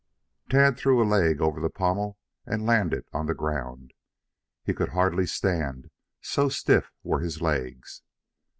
Tad threw a leg over the pommel and landed on the ground. He could hardly stand, so stiff were his legs.